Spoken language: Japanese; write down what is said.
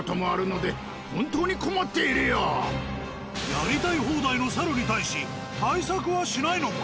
やりたい放題の猿に対し対策はしないのか？